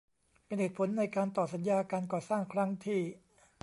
เป็นเหตุผลในการต่อสัญญาการก่อสร้างครั้งที่